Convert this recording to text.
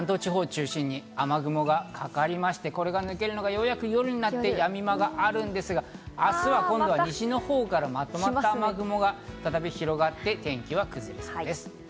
ちょうど関東地方を中心に雨雲がかかりまして、これが抜けるのがようやく夜になって、やみ間があるんですが、明日は今度は西のほうからまとまった雨雲が再び広がって天気が崩れそうです。